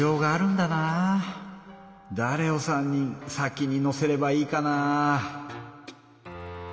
だれを３人先に乗せればいいかな？